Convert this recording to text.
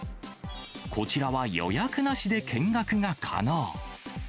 こちらは予約なしで見学が可能。